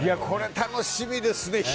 これ楽しみですね。